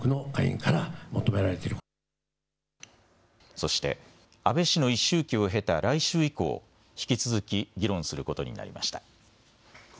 そして安倍氏の一周忌を経た来週以降、引き続き議論することになりました。